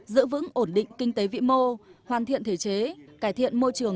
giữ vững ổn định kinh tế vĩ mô hoàn thiện thể chế